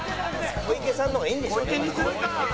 「小池さん」の方がいいんでしょうね。